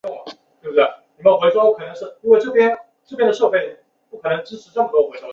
他大约在楚简王时期担任圉县县令。